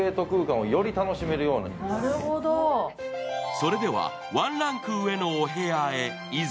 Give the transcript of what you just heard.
それではワンランク上のお部屋へいざ。